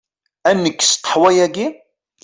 Ad nekkes ṭeḥwa-agi?